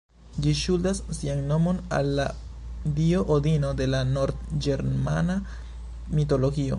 Ĝi ŝuldas sian nomon al la dio Odino de la nord-ĝermana mitologio.